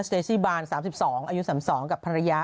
เซซี่บาน๓๒อายุ๓๒กับภรรยา